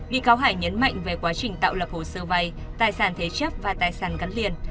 bị cáo hải nhấn mạnh về quá trình tạo lập hồ sơ vay tài sản thế chấp và tài sản cắn liền